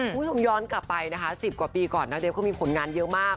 ผมย้อนกลับไป๑๐บาทก่อนนาเดพก็มีผลงานเยอะมาก